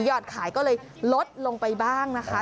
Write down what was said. อดขายก็เลยลดลงไปบ้างนะคะ